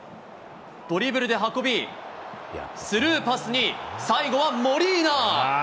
ドリブルで運び、スルーパスに、最後はモリーナ。